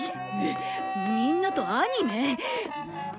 みんなとアニメ。